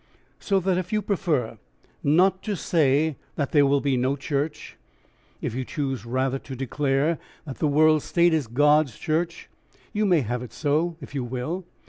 So that if you prefer not to say that there will be no church, if you choose rather to declare that the world state is God's church, you may have it so if you will.